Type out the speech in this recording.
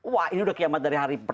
wah ini udah kiamat dari hari pertama